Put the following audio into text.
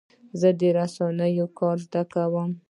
زه د رسنیو کار زده کوم.